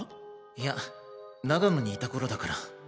いや長野にいた頃だから。